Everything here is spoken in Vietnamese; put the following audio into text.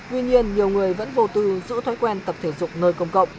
tuy nhiên nhiều người vẫn vô tư giữ thói quen tập thể dục nơi công cộng